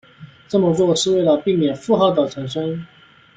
这么做是为了避免负号的产生。